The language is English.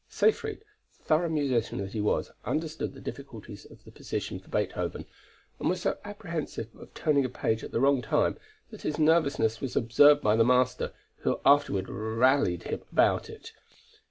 Seyfried, thorough musician that he was, understood the difficulties of the position for Beethoven, and was so apprehensive of turning a page at the wrong time, that his nervousness was observed by the master, who afterward rallied him about it.